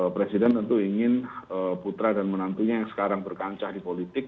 presiden tentu ingin putra dan menantunya yang sekarang berkancah di politik